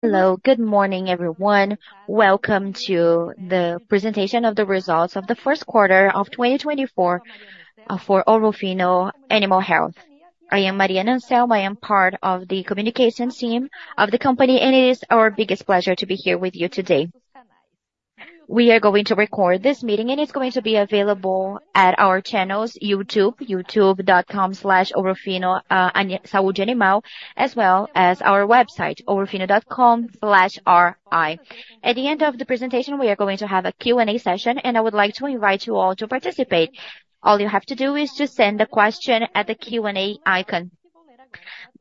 Hello. Good morning, everyone. Welcome to the presentation of the results of the first quarter of 2024 for Ouro Fino Animal Health. I am Mariana Anselmo. I am part of the communications team of the company, and it is our biggest pleasure to be here with you today. We are going to record this meeting, and it's going to be available at our channels, YouTube, youtube.com/ourofinosaudeanimal, as well as our website, ri.ourofino.com. At the end of the presentation, we are going to have a Q&A session, and I would like to invite you all to participate. All you have to do is just send the question at the Q&A icon.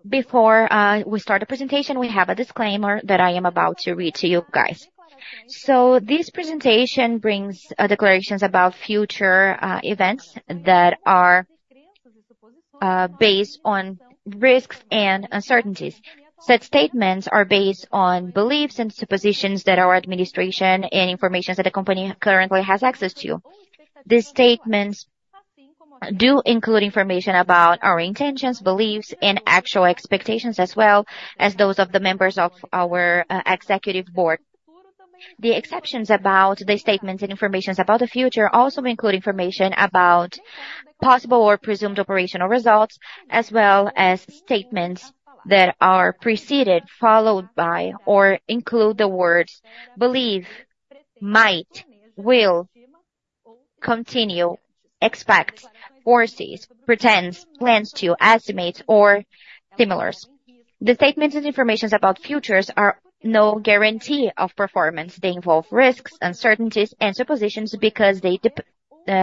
Before we start the presentation, we have a disclaimer that I am about to read to you guys. This presentation brings declarations about future events that are based on risks and uncertainties. Said statements are based on beliefs and suppositions that our administration and information that the company currently has access to. These statements do include information about our intentions, beliefs, and actual expectations, as well as those of the members of our executive board. The expectations about the statements and information about the future also include information about possible or presumed operational results, as well as statements that are preceded, followed by, or include the words belief, might, will, continue, expect, foresees, pretends, plans to, estimates, or similars. The statements and information about futures are no guarantee of performance. They involve risks, uncertainties, and suppositions because they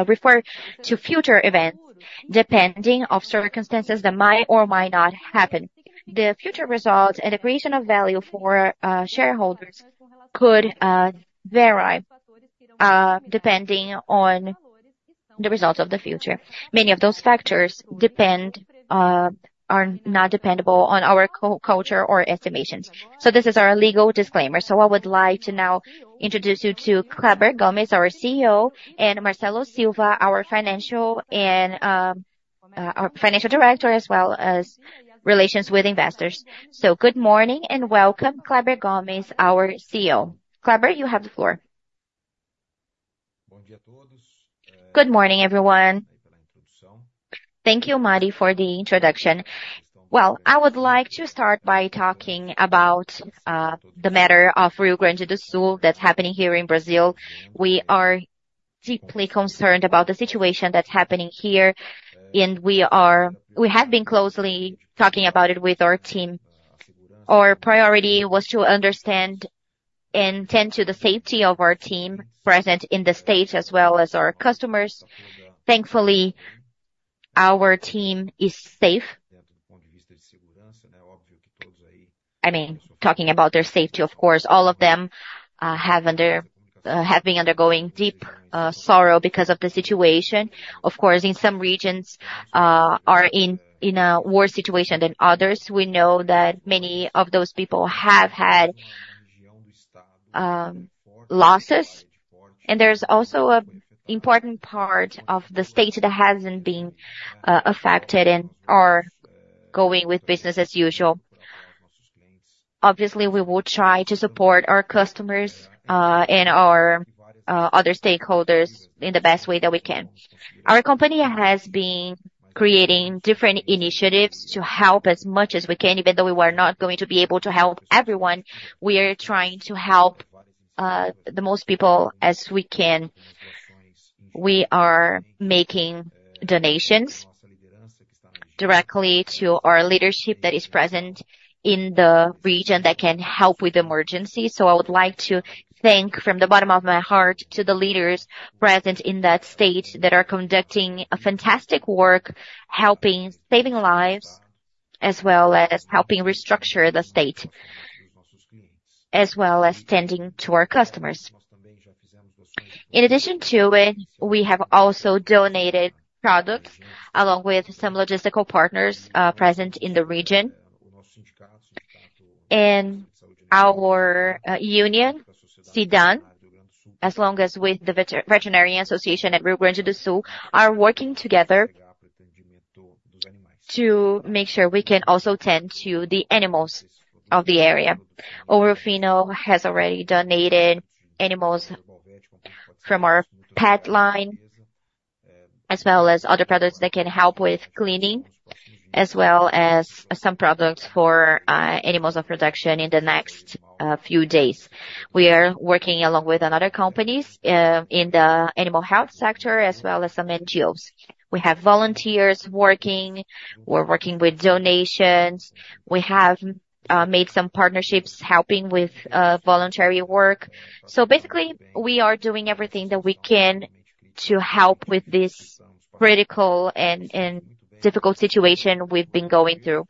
refer to future events depending on circumstances that might or might not happen. The future results and the creation of value for shareholders could vary depending on the results of the future. Many of those factors are not dependent on our culture or estimations. This is our legal disclaimer. I would like to now introduce you to Kleber Gomes, our CEO, and Marcelo Silva, our Chief Financial Officer and Investor Relations Officer. Good morning and welcome, Kleber Gomes, our CEO. Kleber, you have the floor. Good morning, everyone. Thank you, Mari, for the introduction. Well, I would like to start by talking about the matter of Rio Grande do Sul that's happening here in Brazil. We are deeply concerned about the situation that's happening here, and we have been closely talking about it with our team. Our priority was to understand and tend to the safety of our team present in the state as well as our customers. Thankfully, our team is safe. Talking about their safety, of course, all of them have been undergoing deep sorrow because of the situation. Of course, some regions are in a worse situation than others. We know that many of those people have had losses, and there's also an important part of the state that hasn't been affected and are going with business as usual. Obviously, we will try to support our customers and our other stakeholders in the best way that we can. Our company has been creating different initiatives to help as much as we can. Even though we are not going to be able to help everyone, we are trying to help the most people as we can. We are making donations directly to our leadership that is present in the region that can help with emergencies. I would like to thank from the bottom of my heart to the leaders present in that state that are conducting a fantastic work, helping saving lives, as well as helping restructure the state, as well as tending to our customers. In addition to it, we have also donated products along with some logistical partners present in the region. Our union, SINDAN, as long as with the Veterinary Association at Rio Grande do Sul, are working together to make sure we can also tend to the animals of the area. Ouro Fino has already donated animals from our pet line, as well as other products that can help with cleaning, as well as some products for animals of production in the next few days. We are working along with other companies in the animal health sector, as well as some NGOs. We have volunteers working. We're working with donations. We have made some partnerships helping with voluntary work. Basically, we are doing everything that we can to help with this critical and difficult situation we've been going through.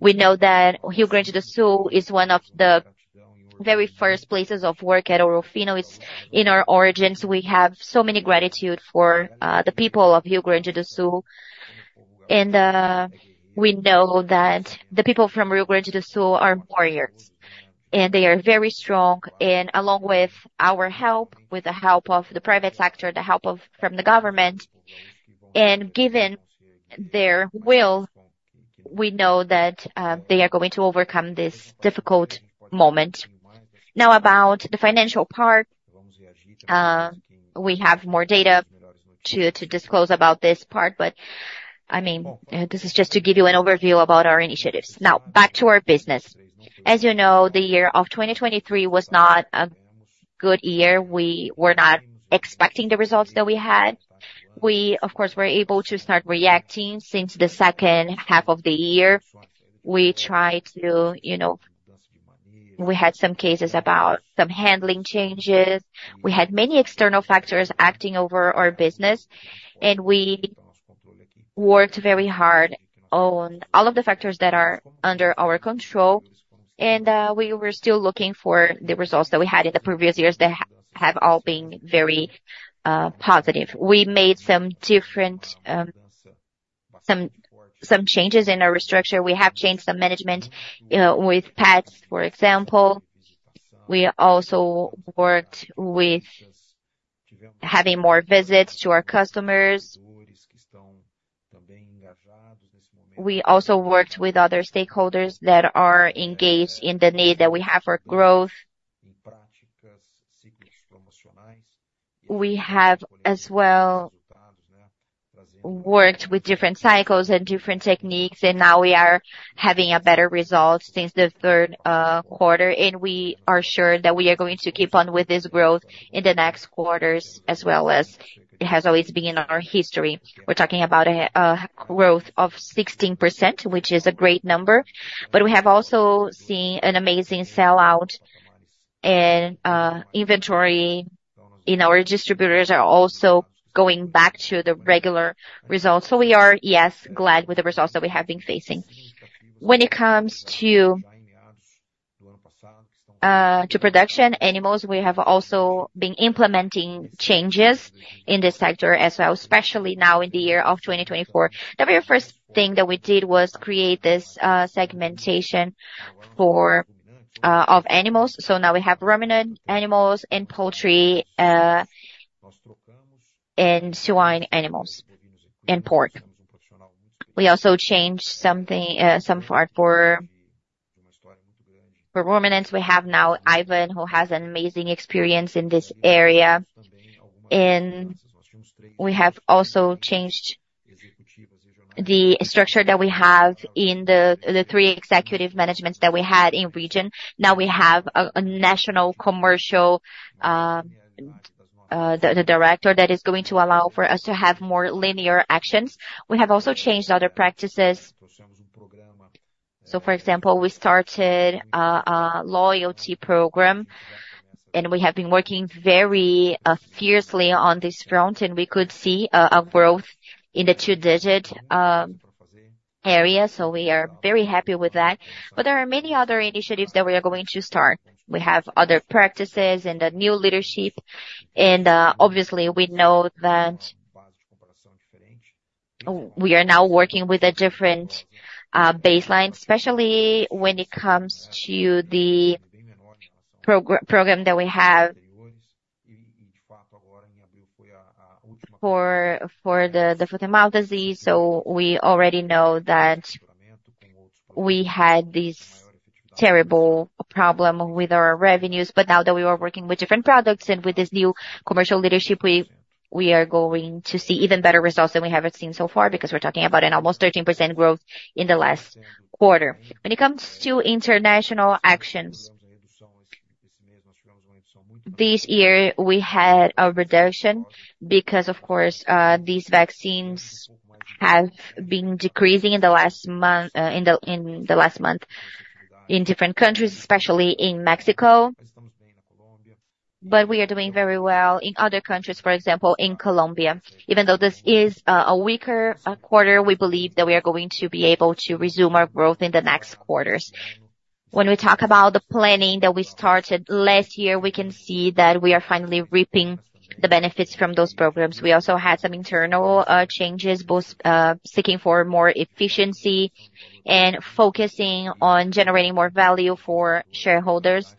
We know that Rio Grande do Sul is one of the very first places of work at Ouro Fino. It's in our origins. We have so much gratitude for the people of Rio Grande do Sul, and we know that the people from Rio Grande do Sul are warriors, and they are very strong. Along with our help, with the help of the private sector, the help from the government, and given their will We know that they are going to overcome this difficult moment. About the financial part. We have more data to disclose about this part, but this is just to give you an overview about our initiatives. Back to our business. As you know, the year of 2023 was not a good year. We were not expecting the results that we had. We, of course, were able to start reacting since the second half of the year. We had some cases about some handling changes. We had many external factors acting over our business, and we worked very hard on all of the factors that are under our control. We were still looking for the results that we had in the previous years that have all been very positive. We made some changes in our restructure. We have changed some management with pets, for example. We also worked with having more visits to our customers. We also worked with other stakeholders that are engaged in the need that we have for growth. We have as well worked with different cycles and different techniques, now we are having a better result since the third quarter, we are sure that we are going to keep on with this growth in the next quarters as well as it has always been in our history. We're talking about a growth of 16%, which is a great number. We have also seen an amazing sell-out and inventory in our distributors are also going back to the regular results. We are, yes, glad with the results that we have been facing. When it comes to production animals, we have also been implementing changes in this sector as well, especially now in the year of 2024. The very first thing that we did was create this segmentation of animals. Now we have ruminant animals and poultry, and swine animals and pork. We also changed something somewhere for ruminants. We have now Ivan, who has an amazing experience in this area. We have also changed the structure that we have in the three executive managements that we had in region. Now we have a national commercial director that is going to allow for us to have more linear actions. We have also changed other practices. For example, we started a loyalty program, and we have been working very fiercely on this front, and we could see a growth in the 2-digit area. We are very happy with that. There are many other initiatives that we are going to start. We have other practices and a new leadership. Obviously, we know that we are now working with a different baseline, especially when it comes to the program that we have for the foot-and-mouth disease. We already know that we had this terrible problem with our revenues. Now that we are working with different products and with this new commercial leadership, we are going to see even better results than we have seen so far, because we're talking about an almost 13% growth in the last quarter. When it comes to international actions, this year, we had a reduction because, of course, these vaccines have been decreasing in the last month in different countries, especially in Mexico. We are doing very well in other countries, for example, in Colombia. Even though this is a weaker quarter, we believe that we are going to be able to resume our growth in the next quarters. When we talk about the planning that we started last year, we can see that we are finally reaping the benefits from those programs. We also had some internal changes, both seeking for more efficiency and focusing on generating more value for shareholders.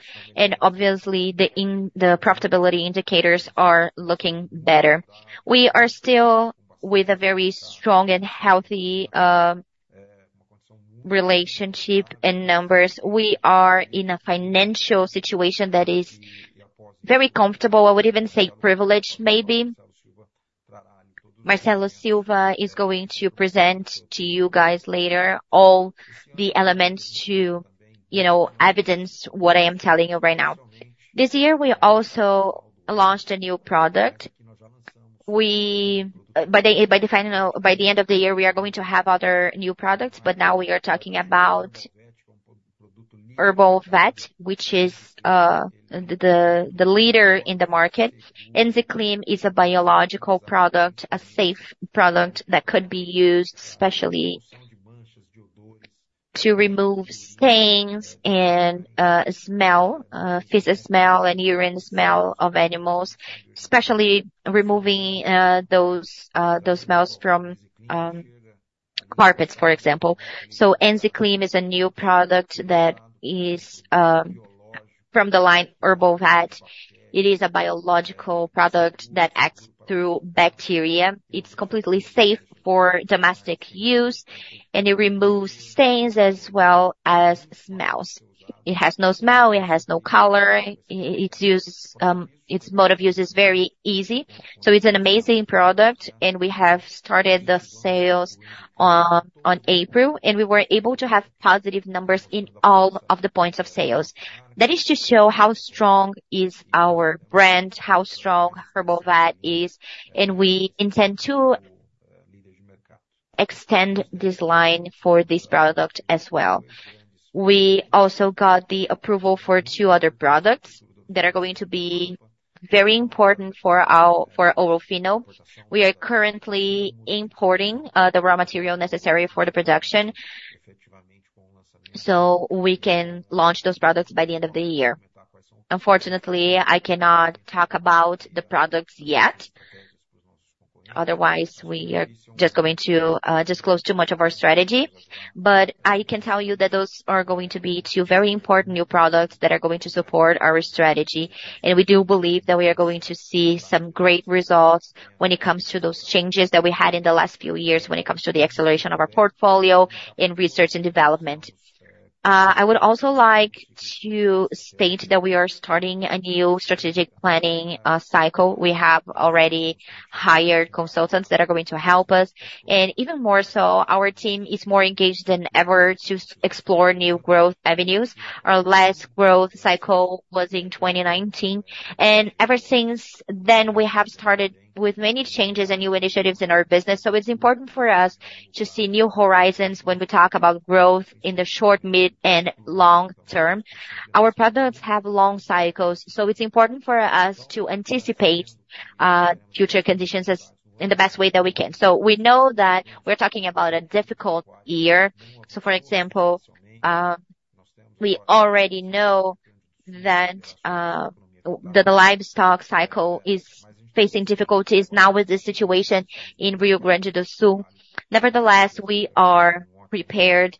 Obviously, the profitability indicators are looking better. We are still with a very strong and healthy relationship and numbers. We are in a financial situation that is very comfortable. I would even say privileged, maybe. Marcelo Silva is going to present to you guys later all the elements to evidence what I am telling you right now. This year, we also launched a new product. By the end of the year, we are going to have other new products, but now we are talking about Herbalvet, which is the leader in the market. EnziClim is a biological product, a safe product that could be used, especially to remove stains and feces smell and urine smell of animals, especially removing those smells from carpets, for example. EnziClim is a new product that is from the line Herbalvet. It is a biological product that acts through bacteria. It's completely safe for domestic use, and it removes stains as well as smells. It has no smell, it has no color. Its mode of use is very easy. It's an amazing product and we have started the sales on April, and we were able to have positive numbers in all of the points of sales. That is to show how strong is our brand, how strong Herbalvet is, and we intend to extend this line for this product as well. We also got the approval for two other products that are going to be very important for Ouro Fino. We are currently importing the raw material necessary for the production so we can launch those products by the end of the year. Unfortunately, I cannot talk about the products yet. Otherwise, we are just going to disclose too much of our strategy. I can tell you that those are going to be two very important new products that are going to support our strategy, and we do believe that we are going to see some great results when it comes to those changes that we had in the last few years, when it comes to the acceleration of our portfolio in R&D. I would also like to state that we are starting a new strategic planning cycle. We have already hired consultants that are going to help us. Even more so, our team is more engaged than ever to explore new growth avenues. Our last growth cycle was in 2019. Ever since then, we have started with many changes and new initiatives in our business. It's important for us to see new horizons when we talk about growth in the short, mid, and long term. Our products have long cycles, it's important for us to anticipate future conditions in the best way that we can. We know that we're talking about a difficult year. For example, we already know that the livestock cycle is facing difficulties now with the situation in Rio Grande do Sul. Nevertheless, we are prepared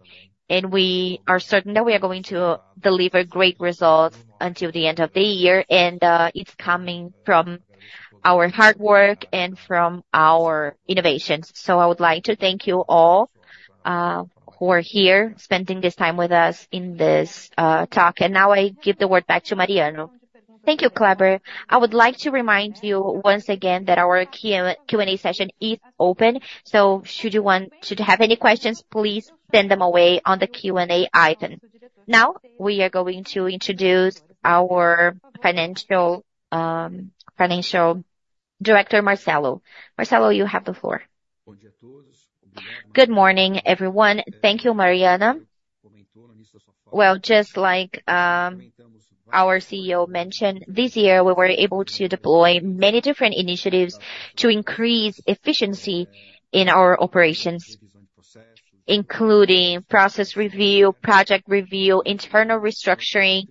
and we are certain that we are going to deliver great results until the end of the year. It's coming from our hard work and from our innovations. I would like to thank you all who are here spending this time with us in this talk. Now I give the word back to Mariana. Thank you, Kleber. I would like to remind you once again that our Q&A session is open. Should you have any questions, please send them away on the Q&A icon. Now, we are going to introduce our Financial Director, Marcelo. Marcelo, you have the floor. Good morning, everyone. Thank you, Mariana. Just like our CEO mentioned, this year we were able to deploy many different initiatives to increase efficiency in our operations, including process review, project review, internal restructuring.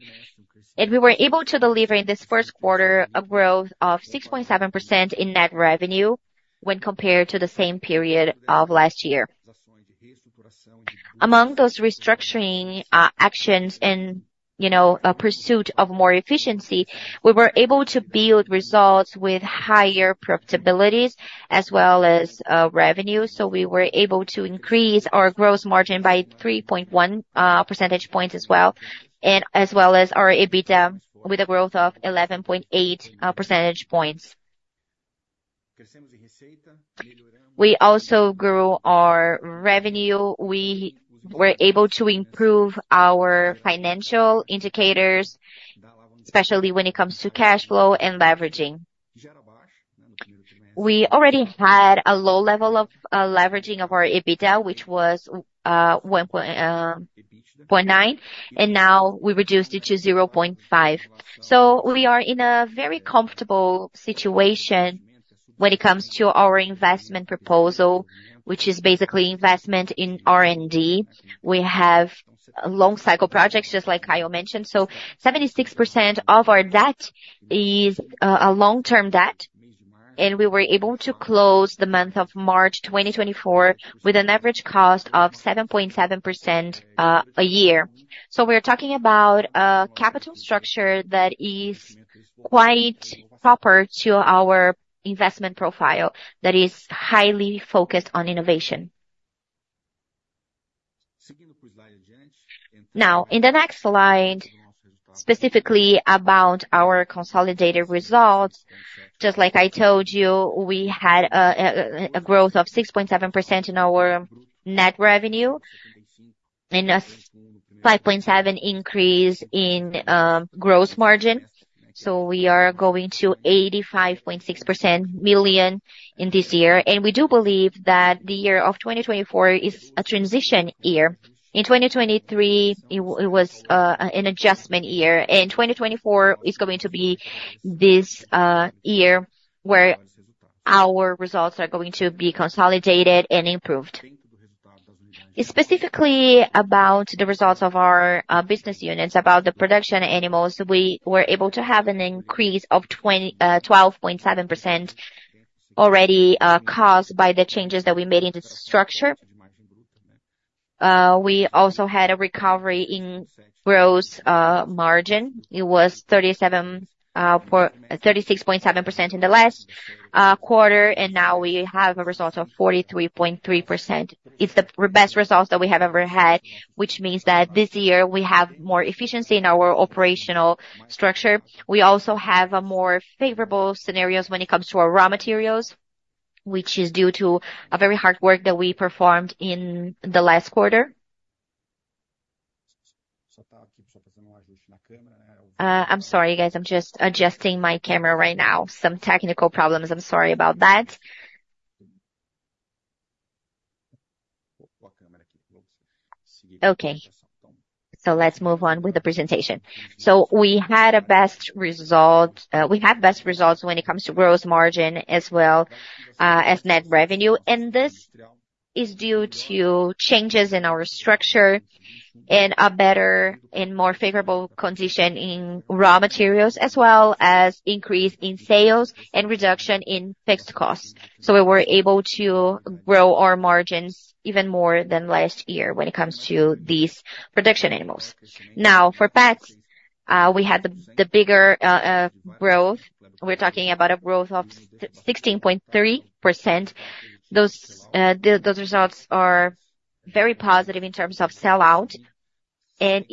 We were able to deliver in this first quarter a growth of 6.7% in net revenue when compared to the same period of last year. Among those restructuring actions and pursuit of more efficiency, we were able to build results with higher profitabilities as well as revenue. We were able to increase our gross margin by 3.1 percentage points as well, as well as our EBITDA with a growth of 11.8 percentage points. We also grew our revenue. We were able to improve our financial indicators, especially when it comes to cash flow and leveraging. We already had a low level of leveraging of our EBITDA, which was 1.9, and now we reduced it to 0.5. We are in a very comfortable situation when it comes to our investment proposal, which is basically investment in R&D. We have long cycle projects, just like Caio mentioned. 76% of our debt is a long-term debt, and we were able to close the month of March 2024 with an average cost of 7.7% a year. We're talking about a capital structure that is quite proper to our investment profile, that is highly focused on innovation. In the next slide, specifically about our consolidated results. Just like I told you, we had a growth of 6.7% in our net revenue and a 5.7% increase in gross margin. We are going to 85.6 million in this year. We do believe that the year of 2024 is a transition year. In 2023, it was an adjustment year. In 2024, it's going to be this year where our results are going to be consolidated and improved. Specifically about the results of our business units, about the production animals, we were able to have an increase of 12.7% already, caused by the changes that we made in the structure. We also had a recovery in gross margin. It was 36.7% in the last quarter, and now we have a result of 43.3%. It's the best results that we have ever had, which means that this year we have more efficiency in our operational structure. We also have more favorable scenarios when it comes to our raw materials, which is due to a very hard work that we performed in the last quarter. I'm sorry, guys. I'm just adjusting my camera right now. Some technical problems. I'm sorry about that. Okay. Let's move on with the presentation. We have best results when it comes to gross margin as well as net revenue. This is due to changes in our structure and a better and more favorable condition in raw materials, as well as increase in sales and reduction in fixed costs. We were able to grow our margins even more than last year when it comes to these production animals. For pets, we had the bigger growth. We're talking about a growth of 16.3%. Those results are very positive in terms of sell-out. It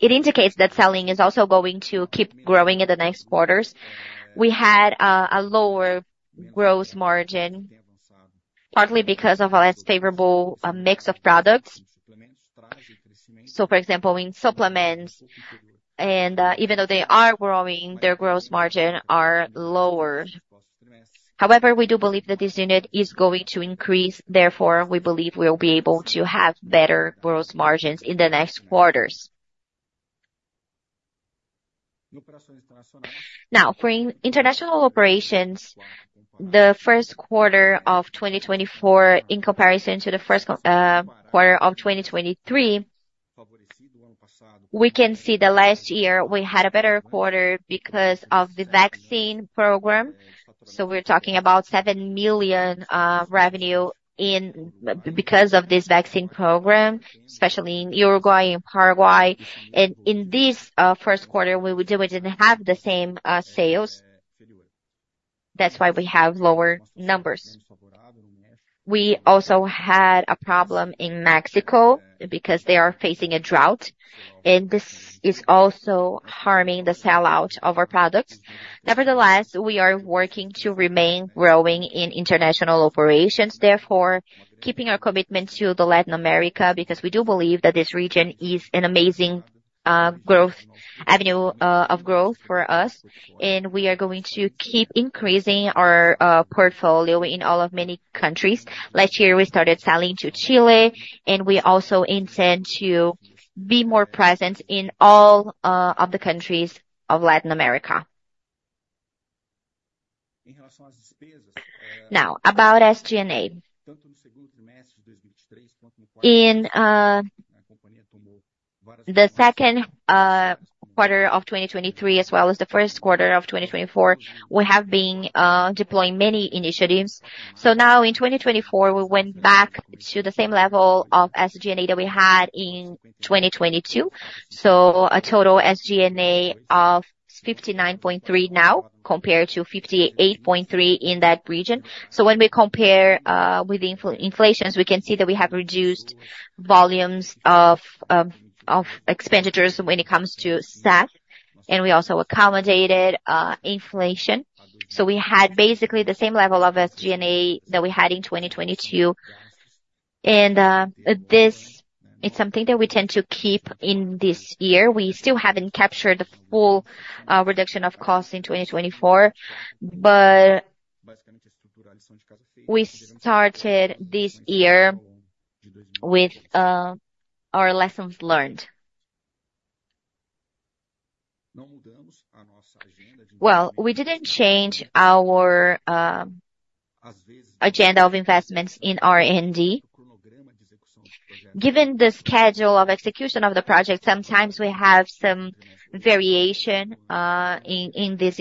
indicates that selling is also going to keep growing in the next quarters. We had a lower gross margin, partly because of a less favorable mix of products. For example, in supplements, even though they are growing, their gross margin is lower. However, we do believe that this unit is going to increase, therefore, we believe we will be able to have better gross margins in the next quarters. For international operations, the first quarter of 2024 in comparison to the first quarter of 2023, we can see that last year we had a better quarter because of the vaccine program. We're talking about 7 million revenue because of this vaccine program, especially in Uruguay and Paraguay. In this first quarter, we didn't have the same sales. That's why we have lower numbers. We also had a problem in Mexico because they are facing a drought, and this is also harming the sell-out of our products. Nevertheless, we are working to remain growing in international operations, therefore keeping our commitment to Latin America, because we do believe that this region is an amazing avenue of growth for us, and we are going to keep increasing our portfolio in all of many countries. Last year, we started selling to Chile, and we also intend to be more present in all of the countries of Latin America. About SG&A. In the second quarter of 2023, as well as the first quarter of 2024, we have been deploying many initiatives. In 2024, we went back to the same level of SG&A that we had in 2022. A total SG&A of 59.3 now compared to 58.3 in that region. When we compare with the inflations, we can see that we have reduced volumes of expenditures when it comes to staff, and we also accommodated inflation. We had basically the same level of SG&A that we had in 2022. This is something that we tend to keep in this year. We still haven't captured the full reduction of cost in 2024, but we started this year with our lessons learned. We didn't change our agenda of investments in R&D. Given the schedule of execution of the project, sometimes we have some variation in this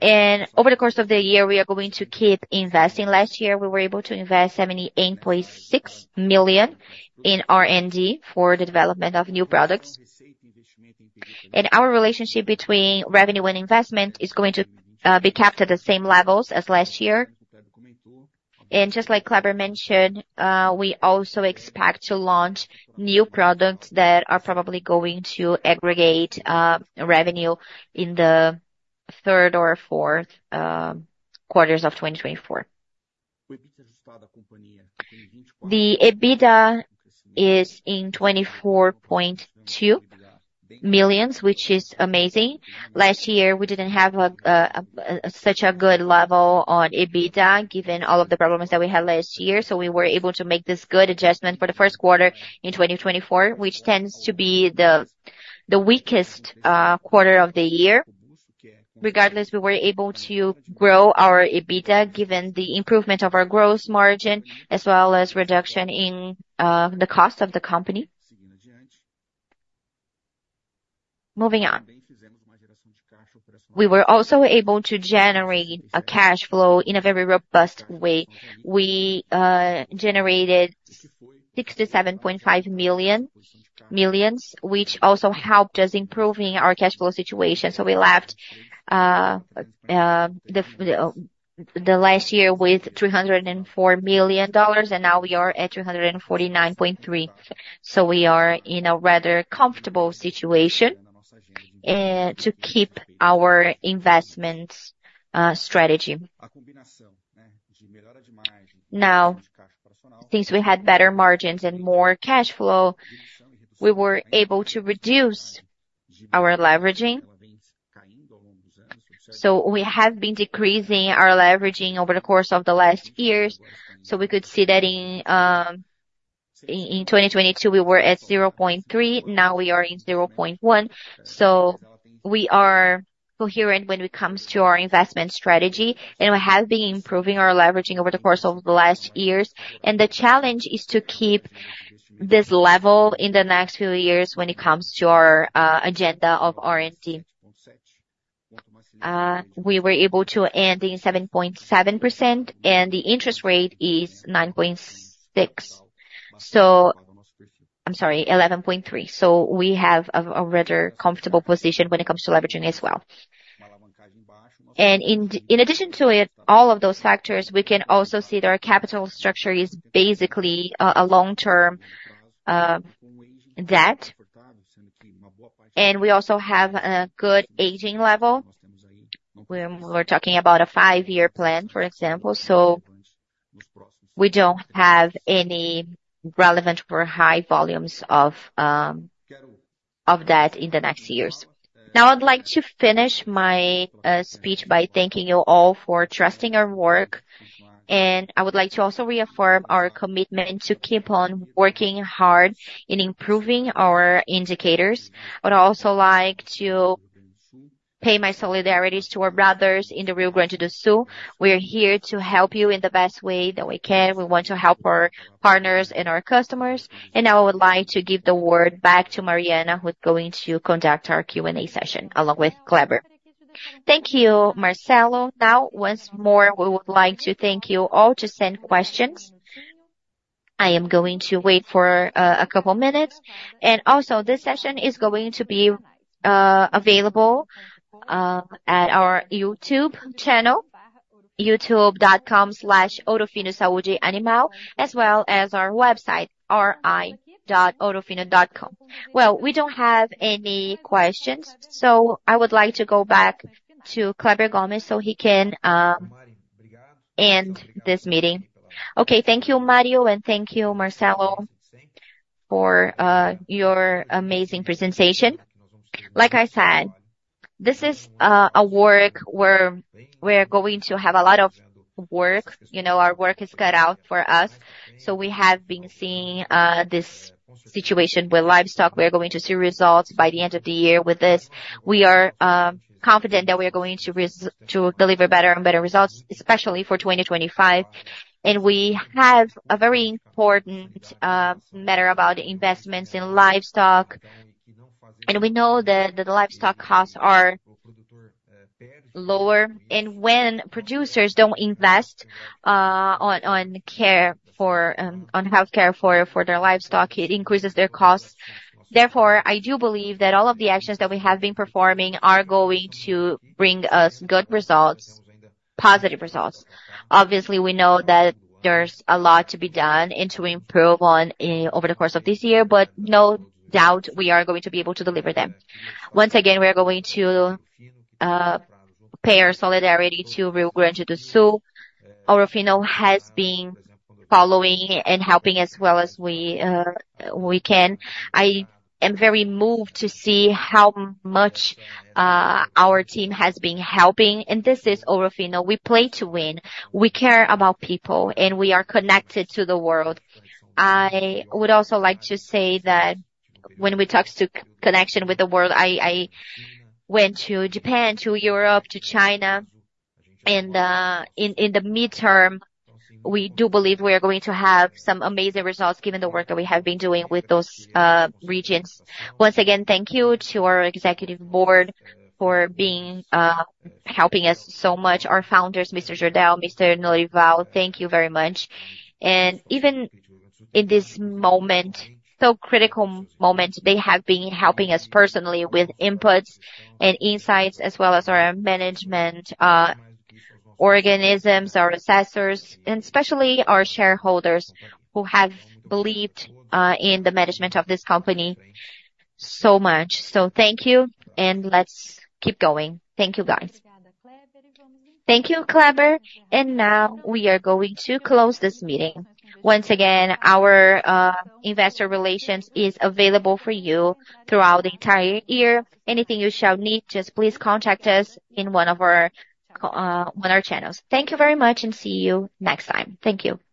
investment. Over the course of the year, we are going to keep investing. Last year, we were able to invest 78.6 million in R&D for the development of new products. Our relationship between revenue and investment is going to be kept at the same levels as last year. Just like Kleber mentioned, we also expect to launch new products that are probably going to aggregate revenue in the third or fourth quarters of 2024. The EBITDA is in 24.2 million, which is amazing. Last year, we didn't have such a good level on EBITDA, given all of the problems that we had last year. We were able to make this good adjustment for the first quarter in 2024, which tends to be the weakest quarter of the year. Regardless, we were able to grow our EBITDA given the improvement of our gross margin, as well as reduction in the cost of the company. Moving on. We were also able to generate a cash flow in a very robust way. We generated 67.5 million, which also helped us improving our cash flow situation. We left the last year with BRL 304 million, and now we are at 349.3 million. We are in a rather comfortable situation to keep our investment strategy. Since we had better margins and more cash flow, we were able to reduce our leveraging. We have been decreasing our leveraging over the course of the last years. We could see that in 2022, we were at 0.3x. Now we are in 0.1x. We are coherent when it comes to our investment strategy, and we have been improving our leveraging over the course of the last years. The challenge is to keep this level in the next few years when it comes to our agenda of R&D. We were able to end in 7.7%, and the interest rate is 9.6%. I'm sorry, 11.3%. We have a rather comfortable position when it comes to leveraging as well. In addition to it, all of those factors, we can also see that our capital structure is basically a long-term debt. We also have a good aging level when we're talking about a five-year plan, for example. We don't have any relevant or high volumes of debt in the next years. I'd like to finish my speech by thanking you all for trusting our work. I would like to also reaffirm our commitment to keep on working hard in improving our indicators. I'd also like to pay my solidarities to our brothers in the Rio Grande do Sul. We are here to help you in the best way that we can. We want to help our partners and our customers. I would like to give the word back to Mariana, who's going to conduct our Q&A session along with Kleber. Thank you, Marcelo. Once more, we would like to thank you all to send questions. I am going to wait for a couple minutes. Also this session is going to be available at our YouTube channel, youtube.com/ourofinosaudeanimal, as well as our website, ri.ourofino.com. We don't have any questions, so I would like to go back to Kleber Gomes so he can end this meeting. Thank you, Mario, and thank you, Marcelo, for your amazing presentation. Like I said, this is a work where we're going to have a lot of work. Our work is cut out for us. We have been seeing this situation with livestock. We are going to see results by the end of the year with this. We are confident that we are going to deliver better and better results, especially for 2025. We have a very important matter about investments in livestock. We know that the livestock costs are lower. When producers don't invest on healthcare for their livestock, it increases their costs. Therefore, I do believe that all of the actions that we have been performing are going to bring us good results, positive results. Obviously, we know that there's a lot to be done and to improve on over the course of this year, no doubt we are going to be able to deliver them. Once again, we are going to pay our solidarity to Rio Grande do Sul. Ouro Fino has been following and helping as well as we can. I am very moved to see how much our team has been helping, and this is Ouro Fino. We play to win, we care about people, we are connected to the world. I would also like to say that when we talk to connection with the world, I went to Japan, to Europe, to China. In the midterm, we do believe we are going to have some amazing results given the work that we have been doing with those regions. Once again, thank you to our executive board for helping us so much. Our founders, Mr. Jordão, Mr. Norival, thank you very much. Even in this moment, so critical moment, they have been helping us personally with inputs and insights, as well as our management organisms, our assessors, and especially our shareholders who have believed in the management of this company so much. Thank you, let's keep going. Thank you, guys. Thank you, Kleber. Now we are going to close this meeting. Once again, our investor relations is available for you throughout the entire year. Anything you shall need, just please contact us in one of our channels. Thank you very much, see you next time. Thank you. Bye.